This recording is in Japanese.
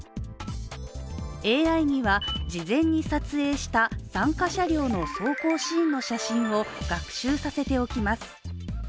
ＡＩには事前に撮影した参加車両の走行シーンの写真を学習させておきます。